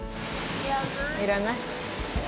いらない？